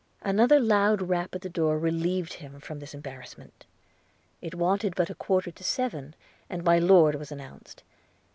' Another loud rap at the door relieved him from this embarassment; it wanted but a quarter to seven, and my Lord was announced.